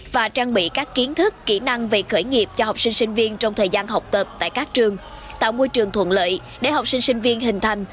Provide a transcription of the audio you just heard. và trang bị các kiến thức kỹ năng về khởi nghiệp cho học sinh sinh viên trong thời gian học tập tại các trường tạo môi trường thuận lợi để học sinh sinh viên hình thành